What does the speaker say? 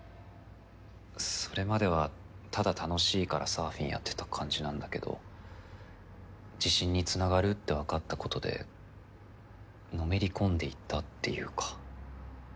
それまではただ楽しいからサーフィンやってた感じなんだけど自信につながるって分かったことでのめり込んでいったっていうか。